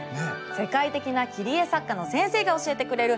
世界的な切り絵作家の先生が教えてくれる「奥深き切り絵の世界」